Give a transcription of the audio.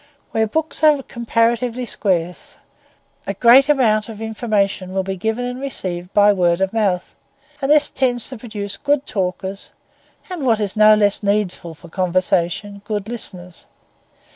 Where books are comparatively scarce, a greater amount of information will be given and received by word of mouth; and this tends to produce good talkers, and, what is no less needful for conversation, good listeners.